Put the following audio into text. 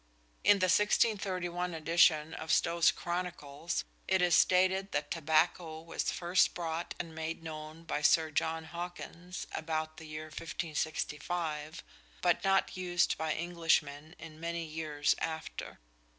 In the 1631 edition of Stow's "Chronicles" it is stated that tobacco was "first brought and made known by Sir John Hawkins, about the year 1565, but not used by Englishmen in many years after."